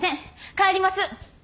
帰ります！